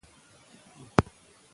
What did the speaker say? عمل د انسان پیژندپاڼه ده.